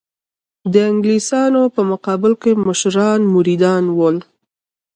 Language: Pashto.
د انګلیسیانو په مقابل کې مشران مریدان ول.